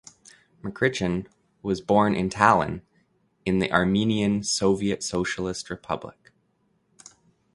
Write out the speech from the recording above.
Mkrtchyan was born in Talin in the Armenian Soviet Socialist Republic.